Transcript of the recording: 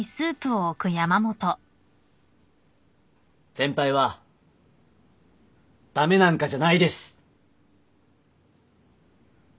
先輩は駄目なんかじゃないです。